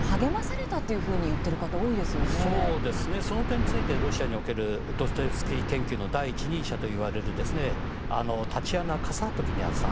この点についてロシアにおけるドストエフスキーの研究者第一人者といわれるタチアーナ・カサトキナさん。